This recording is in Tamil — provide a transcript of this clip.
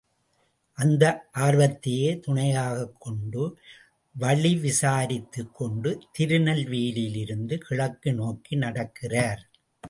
அந்த ஆர்வத்தையே துணையாகக் கொண்டு, வழி விசாரித்துக் கொண்டு, திருநெல்வேலியிலிருந்து கிழக்கு தோக்கி நடக்கிறார்.